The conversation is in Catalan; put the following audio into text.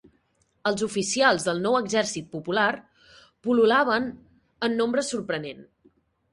Els oficials del nou Exèrcit Popular pul·lulaven en nombre sorprenent.